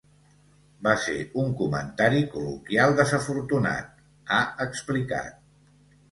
Va ser un comentari col·loquial desafortunat, ha explicat.